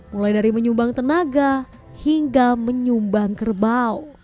mulai dari menyumbang tenaga hingga menyumbang kerbau